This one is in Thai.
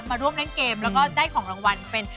มาร่วมเล่นเกมแล้วก็ได้ของรางวัลเป็น